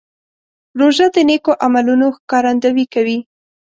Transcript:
روژه د نیکو عملونو ښکارندویي کوي.